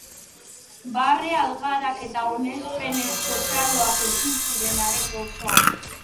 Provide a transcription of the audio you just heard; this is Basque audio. Barre algarak eta onespenezko txaloak entzun ziren areto osoan.